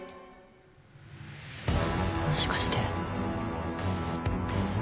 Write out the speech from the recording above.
もしかして。